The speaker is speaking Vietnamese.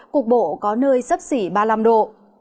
cục bộ có nơi sấp xỉ ba mươi năm độ